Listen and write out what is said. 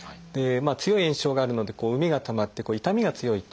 強い炎症があるので膿がたまって痛みが強いと。